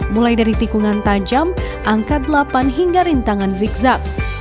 mulai dari tikungan tajam angka delapan hingga rintangan zigzag